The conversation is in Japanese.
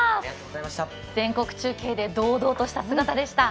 全国中継で堂々とした姿でした。